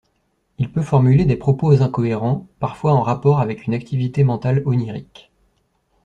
Il peut formuler des propos incohérents, parfois en rapport avec une activité mentale onirique.